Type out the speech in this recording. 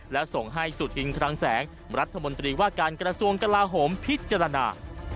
และส่งให้สุธินคลังแสงรัฐมนตรีว่าการกระทรวงกลาโหมพิจารณา